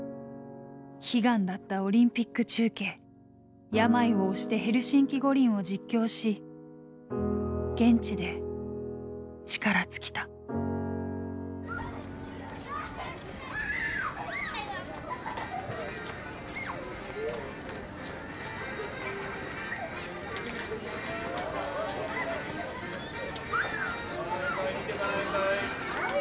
悲願だったオリンピック中継病を押してヘルシンキ五輪を実況し現地で力尽きたはい見てかないかい？